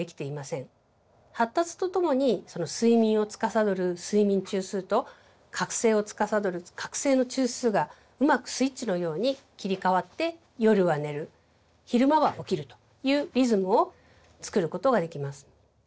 発達とともにその睡眠をつかさどる睡眠中枢と覚醒をつかさどる覚醒の中枢がうまくスイッチのように切り替わって夜は寝る昼間は起きるというリズムをつくることができます。